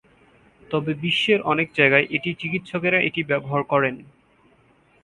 তবে বিশ্বের অনেক জায়গায় এটি চিকিৎসকেরা এটি ব্যবহার করেন।